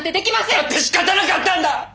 だってしかたなかったんだ！